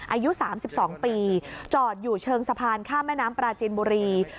อายุ๓๒ปีจอดอยู่เชิงสะพานข้ามแม่น้ำปราจินบุรี